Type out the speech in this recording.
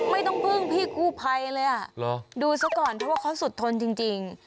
ไม่ต้องพึ่งพี่กู้ภัยเลยอ่ะดูซะก่อนเพราะว่าเขาสุดทนจริง